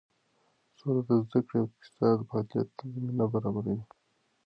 سوله د زده کړې او اقتصادي فعالیت زمینه برابروي.